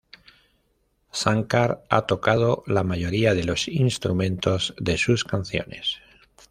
Shankar ha tocado la mayoría de los instrumentos de sus canciones.